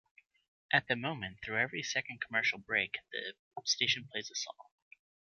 At the moment through every second commercial break the station plays a song.